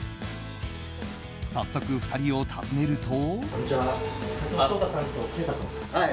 早速、２人を訪ねると。